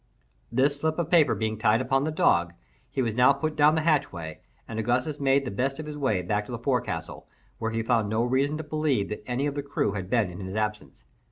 _" This slip of paper being tied upon the dog, he was now put down the hatchway, and Augustus made the best of his way back to the forecastle, where he found no reason to believe that any of the crew had been in his absence.